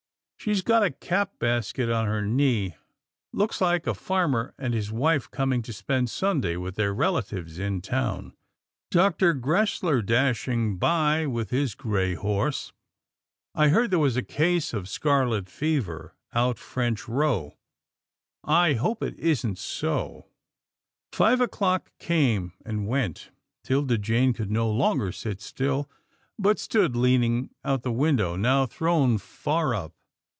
She's got a cap basket on her knee. Looks like a farmer and his wife coming to spend Sunday with their relatives in town — Dr. Gresler dashing by with his gray horse. I heard there was a case of scarlet fever out French Row, I hope it isn't so." 196 'TILDA JANE'S ORPHANS Five o'clock came and went, and 'Tilda Jane could no longer sit still, but stood leaning out the window, now thrown far up.